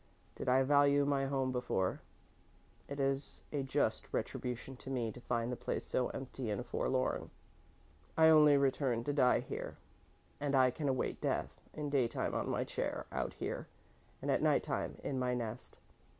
Did I value my home before? It is a just retribution to me to find the place so empty and forlorn. I only returned to die here and I can await death in daytime on my chair out here and at night time in my nest.